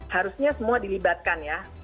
harusnya semua dilibatkan ya